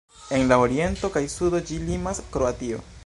En la oriento kaj sudo ĝi limas Kroatio.